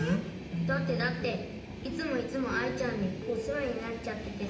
だってだっていつもいつもアイちゃんにおせわになっちゃっててさ。